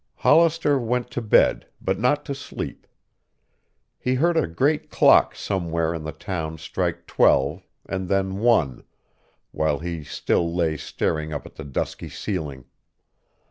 Hollister went to bed, but not to sleep. He heard a great clock somewhere in the town strike twelve and then one, while he still lay staring up at the dusky ceiling.